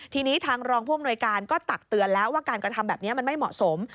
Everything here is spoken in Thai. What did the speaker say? ทีนี้ทางรองผู้อำนวยการก็ตักเตือนแล้วว่าการกระทำแบบนี้มันไม่เหมาะสม